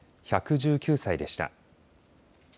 １１９歳でした。